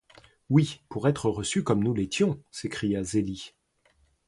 Oui, pour être reçus comme nous l’étions! s’écria Zélie.